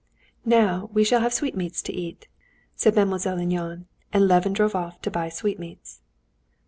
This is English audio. "Now we shall have sweetmeats to eat," said Mademoiselle Linon—and Levin drove off to buy sweetmeats.